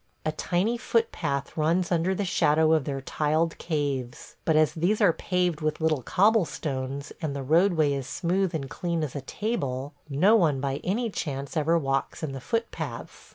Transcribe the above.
A tiny foot path runs under the shadow of their tiled caves; but as these are paved with little cobblestones, and the roadway is smooth and clean as a table, no one by any chance ever walks in the foot paths.